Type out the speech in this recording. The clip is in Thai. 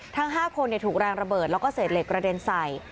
ทั้ง๕คนถูกแรงระเบิดแล้วก็เศษเหล็กกระเด็นใส่